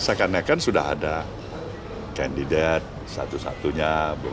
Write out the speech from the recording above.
seakan akan sudah ada kandidat satu satunya